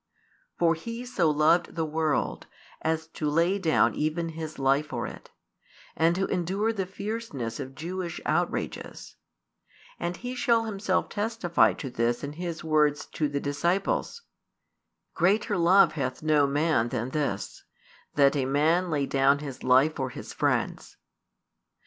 For He so loved the world as to lay down even His life for it, and to endure the fierceness of Jewish outrages: and He shall Himself testify to this in His words to the disciples: Greater love hath no man than this, that a man lay down his life for his friends.